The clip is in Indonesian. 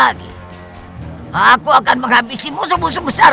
aku tidak ingin memiliki ibu iblis seperti mu